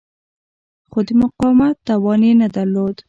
خو د مقاومت توان یې نه درلود.